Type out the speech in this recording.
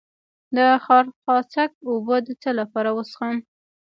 د خارخاسک اوبه د څه لپاره وڅښم؟